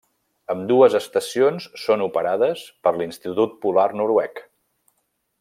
Ambdues estacions són operades per l'Institut Polar Noruec.